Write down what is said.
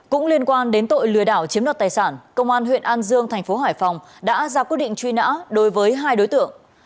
cũng liên quan đến tội lừa đảo chiếm đọt tài sản công an huyện an dương tp hcm đã ra quyết định truy nã đối với hai đối tượng